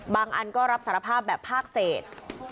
อันก็รับสารภาพแบบภาคเศษ